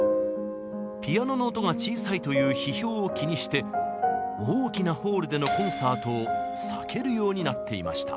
ピアノの音が小さいという批評を気にして大きなホールでのコンサートを避けるようになっていました。